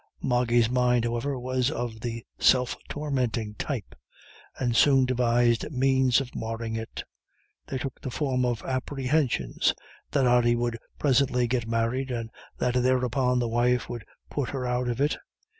Moggy's mind, however, was of the self tormenting type, and soon devised means of marring it. They took the form of apprehensions that Ody would presently get married, and that thereupon "the wife would put her out of it."